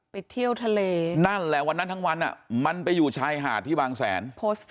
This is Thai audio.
ไปเที่ยวทะเลนั่นแหละวันนั้นทั้งวันมันไปอยู่ชายหาดที่บางแสน